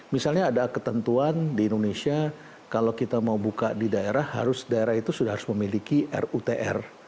misalnya ada ketentuan di indonesia kalau kita mau buka di daerah harus daerah itu sudah harus memiliki rutr